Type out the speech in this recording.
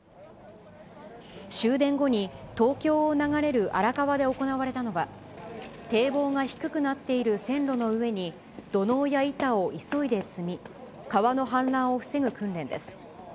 終電後に東京を流れる荒川で行われたのは、堤防が低くなっている線路の上に、土のうや板を急いで積み、川の氾濫を防ぐ訓練です。